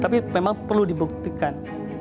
tapi memang perlu dibuktikan